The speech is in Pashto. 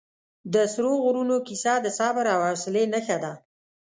د سرو غرونو کیسه د صبر او حوصلې نښه ده.